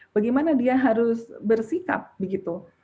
bagaimana dia harus bersikap begitu